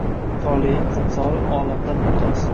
Toleing timsoli, olamda mumtoz.